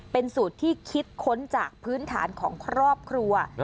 เป็นสูตรที่คิดค้นจากพื้นฐานของครอบครัว